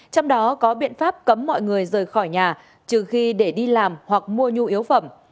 trong đó có biện pháp cấm mọi người rời khỏi nhà trừ khi để đi làm hoặc mua nhu yếu phẩm